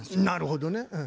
なるほどね。